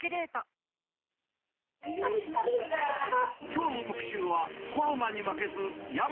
きょうの特集は、コロナに負